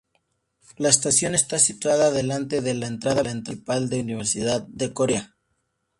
La estación está situada delante de la entrada principal de Universidad de Corea.